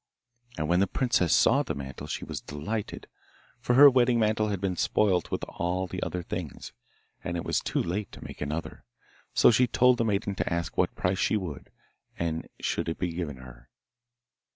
And when the princess saw the mantle she was delighted, for her wedding mantle had been spoilt with all the other things, and it was too late to make another. So she told the maiden to ask what price she would, and it should be given her.